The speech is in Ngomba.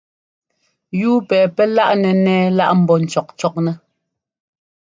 Yúu pɛ pɛ́ láꞌnɛ ńnɛ́ɛ lá ḿbɔ́ ńcɔ́kcɔknɛ́.